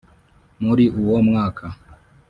muri uwo mwaka